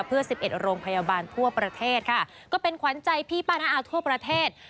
เพื่อ๑๑โรงพยาบาลทั่วประเทศค่ะก็เป็นขวัญใจพี่ป้าน้าอาวทั่วประเทศ